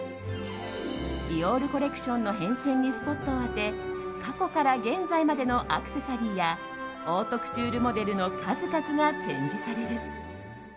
ディオールコレクションの変遷にスポットを当て過去から現在までのアクセサリーやオートクチュールモデルの数々が展示される。